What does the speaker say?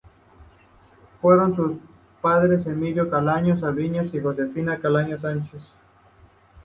Fueron sus padres Emilio Calcaño Sanabria y Josefina Calcaño Sánchez.